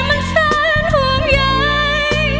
มันแสนห่วงใหญ่